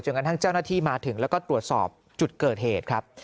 กระทั่งเจ้าหน้าที่มาถึงแล้วก็ตรวจสอบจุดเกิดเหตุครับ